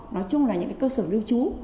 nói chung là những cái cơ sở lưu trú